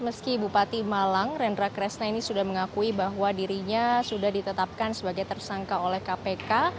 meski bupati malang rendra kresna ini sudah mengakui bahwa dirinya sudah ditetapkan sebagai tersangka oleh kpk